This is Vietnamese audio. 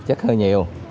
chắc hơi nhiều